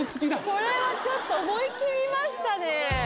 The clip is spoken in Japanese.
これはちょっと思い切りましたね